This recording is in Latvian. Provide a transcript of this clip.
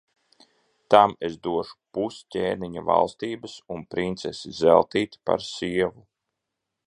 Tam es došu pus ķēniņa valstības un princesi Zeltīti par sievu.